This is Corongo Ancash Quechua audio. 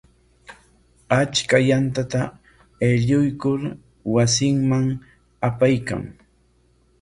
Achka yantata aylluykur wasinman apaykan.